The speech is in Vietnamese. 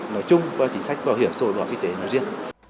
nói chung và chính sách bảo hiểm xã hội y tế